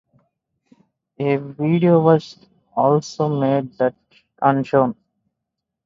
A video tribute was also made and shown.